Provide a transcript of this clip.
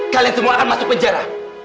kalian semua akan masuk penjara